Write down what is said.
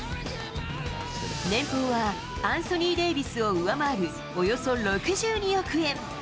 年俸はアンソニー・デイビスを上回るおよそ６２億円。